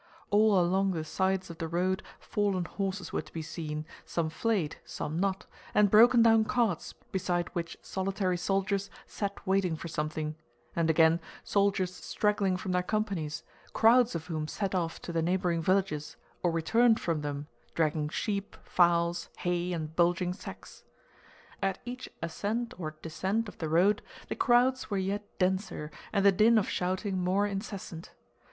All along the sides of the road fallen horses were to be seen, some flayed, some not, and broken down carts beside which solitary soldiers sat waiting for something, and again soldiers straggling from their companies, crowds of whom set off to the neighboring villages, or returned from them dragging sheep, fowls, hay, and bulging sacks. At each ascent or descent of the road the crowds were yet denser and the din of shouting more incessant.